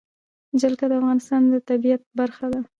جلګه د افغانستان د طبیعت برخه ده.